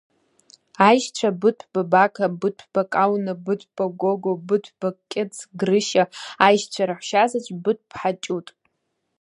АешьцәаБыҭәба Бақа, Быҭәба Кауна, Быҭәба Гого, Быҭәба Кьыҵ Грышьа, аешьцәа раҳәшьазаҵә Быҭә-ԥҳа Ҷут.